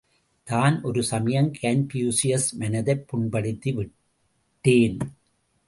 தான் ஒரு சமயம் கன்பூசியஸ் மனதைப் புண்படுத்திவிட்டேன்.